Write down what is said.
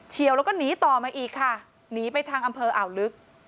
เชี่ยวแล้วก็หนีต่อมาอีกค่ะหนีไปทางอำเภออ่าวลึก